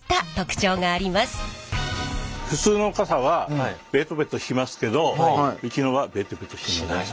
普通の傘はベトベトしますけどうちのはベトベトしない。